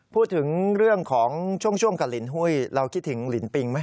พูดถึงเรื่องของช่วงกับลินหุ้ยเราคิดถึงลินปิงไหม